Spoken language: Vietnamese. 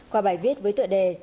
qua bài viết với tựa đề